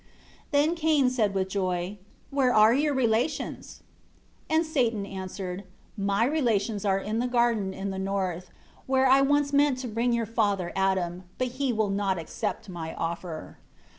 8 Then Cain said with joy, "Where are your relations?" 9 And Satan answered, "My relations are in a garden in the north, where I once meant to bring your father Adam; but he would not accept my offer.